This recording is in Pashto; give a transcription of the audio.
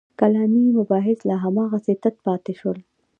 کلامي مباحث لا هماغسې تت پاتې شول.